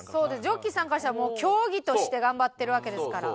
ジョッキーさんからしたらもう競技として頑張ってるわけですから。